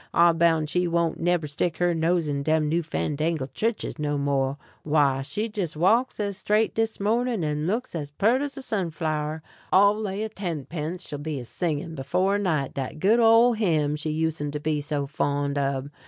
I boun' she won't neber stick her nose in dem new fandangle chu'ches no more. Why, she jes' walks as straight dis morning, and looks as peart as a sunflower. I'll lay a tenpence she'll be a singin' before night dat good ole hyme she usened to be so fond ob.